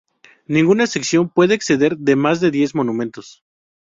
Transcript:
Ninguna sección puede exceder de más de diez monumentos.